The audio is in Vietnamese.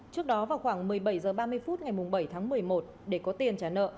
trước đó vào khoảng một mươi bảy h ba mươi phút ngày bảy tháng một mươi một để có tiền trả nợ